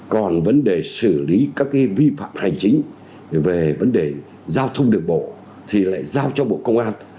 còn vấn đề xử lý các vi phạm hành chính về vấn đề giao thông đường bộ thì lại giao cho bộ công an